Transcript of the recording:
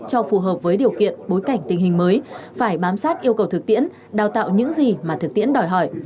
cho phù hợp với điều kiện bối cảnh tình hình mới phải bám sát yêu cầu thực tiễn đào tạo những gì mà thực tiễn đòi hỏi